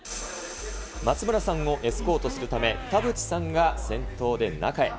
松村さんをエスコートするため、田渕さんが先頭で中へ。